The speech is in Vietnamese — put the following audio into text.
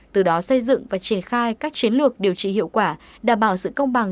từ đó xây dựng và triển khai các chiến lược điều trị hiệu quả đảm bảo sự công bằng